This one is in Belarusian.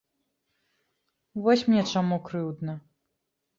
Вось мне чаму крыўдна.